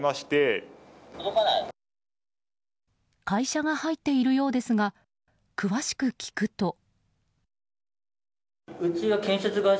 会社が入っているようですが詳しく聞くと。